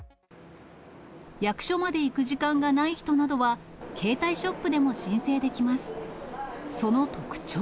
役所まで行く時間がない人などは、携帯ショップでも申請できます。